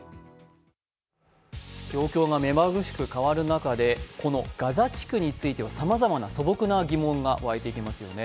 状況が目まぐるしく変わる中でこのガザ地区についてはさまざまな素朴な疑問が湧いてきますよね。